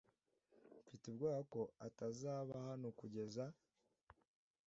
Mfite ubwoba ko atazaba hano kugeza